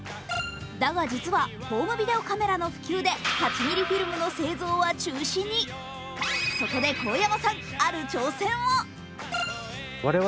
だが、実はホームビデオカメラの普及で８ミリフィルムの製造は中止にそこで神山さん、ある挑戦を。